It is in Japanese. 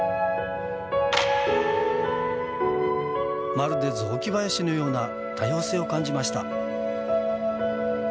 まるで雑木林のような多様性を感じました。